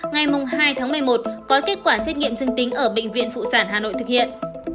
ngày hai tháng một mươi một có kết quả xét nghiệm dương tính ở bệnh viện phụ sản hà nội thực hiện